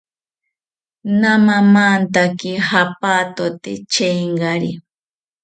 Namamantaki japatote chengari